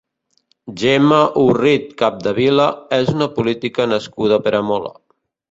Gemma Orrit Capdevila és una política nascuda a Peramola.